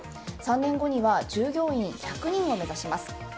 ３年後には従業員１００人を目指します。